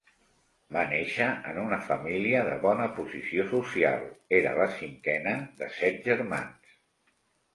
Va néixer en una família de bona posició social, era la cinquena de set germans.